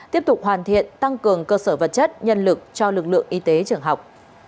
tiếp tục hoàn thiện tăng cường cơ sở vật chất nhân lực cho lực lượng y tế trường học